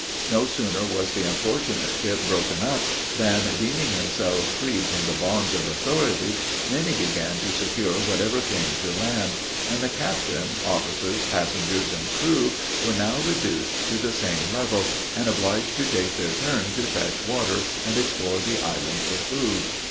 No sooner was the unfortunate ship broken up, than, deeming themselves freed from the bonds of authority, many began to secure whatever came to land: and the captain, officers, passengers, and crew were now reduced to the same level, and obliged to take their turn to fetch water, and explore the island for food.